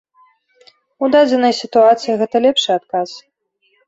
У дадзенай сітуацыі гэта лепшы адказ.